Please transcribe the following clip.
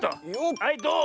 はいどう？